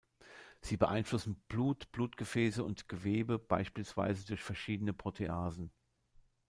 Sie beeinflussen Blut, Blutgefäße und Gewebe, beispielsweise durch verschiedene Proteasen.